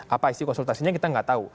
apa isi konsultasinya kita nggak tahu